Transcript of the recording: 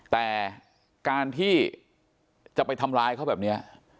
แต่การที่จะไปทำร้ายเขาแบบนี้